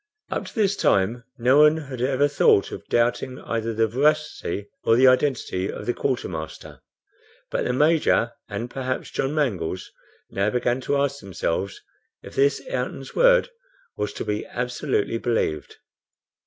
Up to this time no one had ever thought of doubting either the veracity or identity of the quartermaster; but the Major, and perhaps John Mangles, now began to ask themselves if this Ayrton's word was to be absolutely believed.